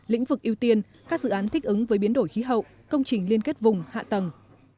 lĩnh vực ưu tiên các dự án thích ứng với biến đổi khí hậu công trình liên kết vùng hạ tầng